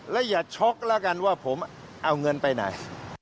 และอย่าช็อกแล้วกันว่าผมเอาเงินไปไหน